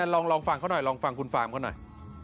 ลองฟังเขาหน่อยลองฟังคุณฟาร์มเขาหน่อย